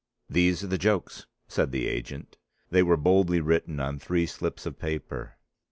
"These are the jokes," said the agent. They were boldly written on three slips of paper.